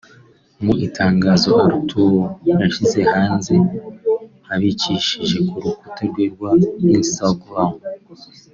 Mu itangazo Arthur yashyize hanze abicishije ku rukuta rwe rwa Instagram